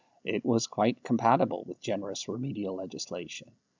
It was quite compatible with generous remedial legislation.